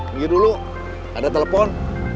ngi dulu ada telepon